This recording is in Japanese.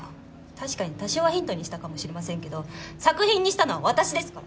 確かに多少はヒントにしたかもしれませんけど作品にしたのは私ですから！